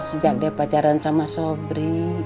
sejak dia pacaran sama sobri